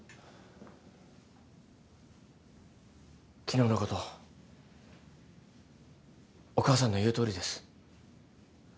昨日のことお母さんの言うとおりです。